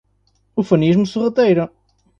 Ufanismo sorrateiro